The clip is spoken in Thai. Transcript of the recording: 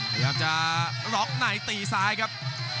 พยายามจะเราะไหนตีซ้ายครับ